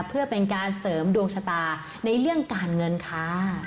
เพื่อเป็นการเสริมดวงชะตาในเรื่องการเงินค่ะ